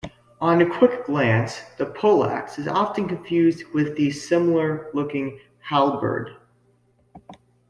On quick glance, the pollaxe is often confused with the similar-looking halberd.